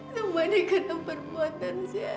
semua ini karena perbuatan saya